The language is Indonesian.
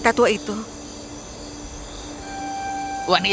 tidak kepada siapa pani